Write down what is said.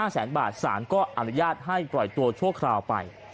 แสนบาทสารก็อนุญาตให้ปล่อยตัวชั่วคราวไป